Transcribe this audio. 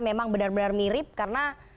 memang benar benar mirip karena